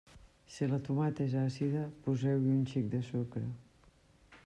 Si la tomata és àcida, poseu-hi un xic de sucre.